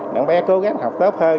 để bé cố gắng học tốt hơn